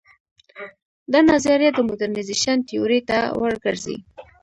دا نظریه د موډرنیزېشن تیورۍ ته ور ګرځي.